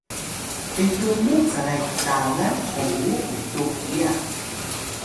betunux calay ktalan hongu utux hiya